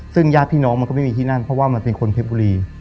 ซึ่งญาติพี่น้องมันก็ไม่มีที่นั่นเพราะว่ามันเป็นคนเพชรบุรี